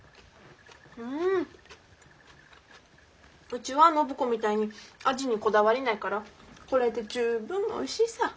うちは暢子みたいに味にこだわりないからこれで十分おいしいさぁ。